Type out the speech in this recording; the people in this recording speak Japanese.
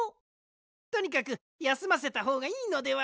とにかくやすませたほうがいいのでは？